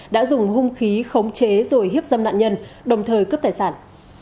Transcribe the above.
đã dùng hung khí khống chế rồi hiếp dâm nạn nhân đồng thời cướp tài sản